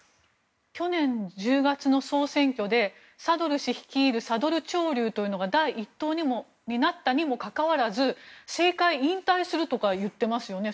去年の総選挙でサドル師率いるサドル潮流というのが第一党になったにもかかわらず政界引退するとか言っていますよね。